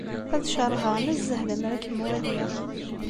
Ad ceṛheɣ nezzeh lemmer ad kem-waliɣ.